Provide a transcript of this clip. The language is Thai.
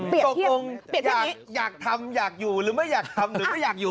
ตกลงอยากทำอยากอยู่หรือไม่อยากทำหรือไม่อยากอยู่